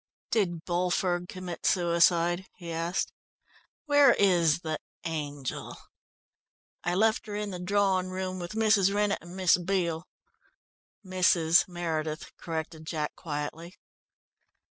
"Did Bulford commit suicide?" he asked. "Where is the angel?" "I left her in the drawing room with Mrs. Rennett and Miss Beale." "Mrs. Meredith," corrected Jack quietly.